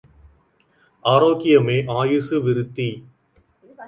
ஆரோக்கியமே ஆயுசு விருத்தி.